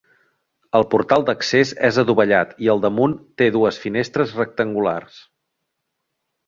El portal d'accés és adovellat i al damunt te dues finestres rectangulars.